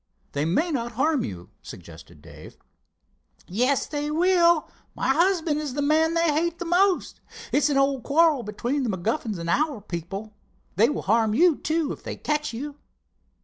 "They may not harm you," suggested Dave. "Yes, they will. My husband is the man they hate the most. It's an old quarrel between the MacGuffins and our people. They will harm you, too, if they catch you."